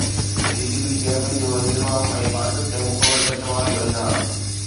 P C B chairman جو انضمام ۽ باسط تي مڪمل اعتماد جو اظهار